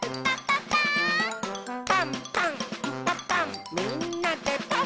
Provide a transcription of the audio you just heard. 「パンパンんパパンみんなでパン！」